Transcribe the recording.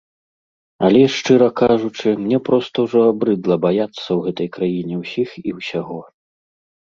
Але, шчыра кажучы, мне проста ўжо абрыдла баяцца ў гэтай краіне ўсіх і ўсяго.